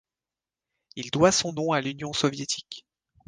Il doit son nom à l'Union soviétique.